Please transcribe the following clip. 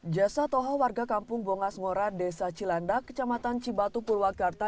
jasa toho warga kampung bongas ngora desa cilanda kecamatan cibatu purwakarta